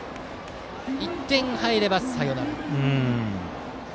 １点入ればサヨナラ。